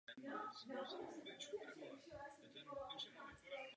České reprezentantky tak po roce opět vyhrály štafetu.